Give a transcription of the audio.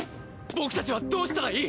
僕たちはどうしたらいい？